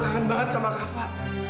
gue kangen banget sama rafa